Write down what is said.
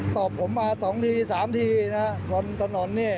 ตบผมมาสองทีสามทีนะครับ